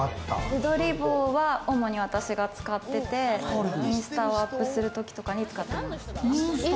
自撮り棒は主に私が使ってて、インスタをアップするときとかに使ってます。